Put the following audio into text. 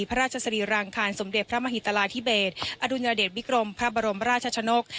พระราชสรีรางคารสมเด็จพระมหิตราธิเบสอดุญเดชวิกรมพระบรมราชชนก